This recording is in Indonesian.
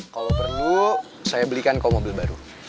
kalau perlu saya belikan kok mobil baru